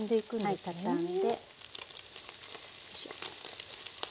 はい畳んで。